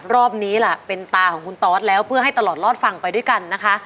รอบนี้ล่ะเป็นตาของคุณตอสแล้วเพื่อให้ตลอดรอดฟังไปด้วยกันนะคะ